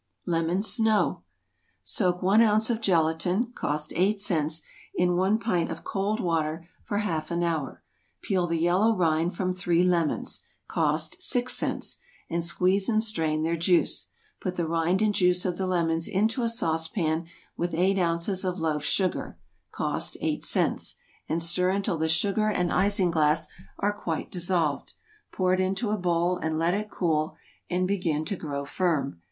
=Lemon Snow.= Soak one ounce of gelatine, (cost eight cents,) in one pint of cold water for half an hour; peel the yellow rind from three lemons, (cost six cents,) and squeeze and strain their juice; put the rind and juice of the lemons into a saucepan with eight ounces of loaf sugar, (cost eight cents,) and stir until the sugar and isinglass are quite dissolved; pour it into a bowl, and let it cool, and begin to grow firm.